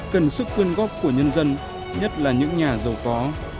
cần sức quyên góp của nhân dân nhất là những nhà giàu có